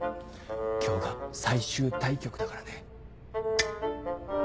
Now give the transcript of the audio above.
今日が最終対局だからね。